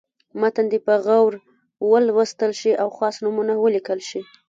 متن دې په غور ولوستل شي او خاص نومونه ولیکل شي.